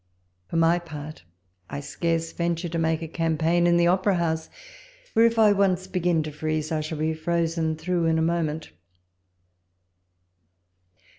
For my part, I scarce venture to qiake a campaign in the Opera house; for if I once begin to freeze, I shall be frozen through in a moment.